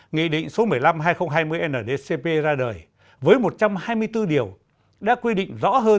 nghị định số một mươi năm hai nghìn hai mươi ndcp ra đời với một trăm hai mươi bốn điều đã quy định rõ hơn